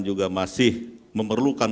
juga masih memerlukan